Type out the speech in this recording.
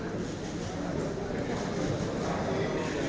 kandungan yang berada di rumah sakit abdiwaluyo